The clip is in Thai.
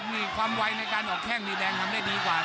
นี่ความไวในการออกแข้งนี่แดงทำได้ดีกว่า